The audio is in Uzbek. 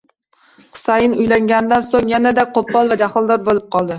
Husayn uylanganidan so`ng yanada qo`pol va jahldor bo`lib qoldi